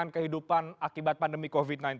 kehidupan akibat pandemi covid sembilan belas